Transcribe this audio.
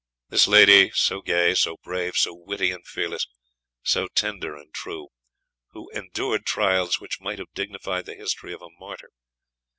This lady, so gay, so brave, so witty and fearless, so tender and true, who "endured trials which might have dignified the history of a martyr